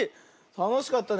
たのしかったね。